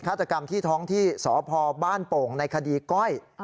ฆาตกรรมที่ท้องที่สพบ้านโป่งในคดีก้อย